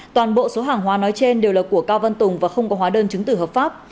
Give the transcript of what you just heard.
toàn bộ số hàng hóa nói trên đều là của cao văn tùng và không có hóa đơn chứng tử hợp pháp